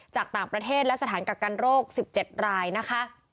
จากต่างประเทศและสถานกักกันโรค๑๗รายนะคะ